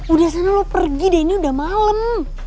udah sana lo pergi deh ini udah malem